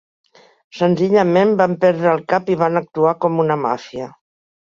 Senzillament vam perdre el cap i vam actuar com una màfia.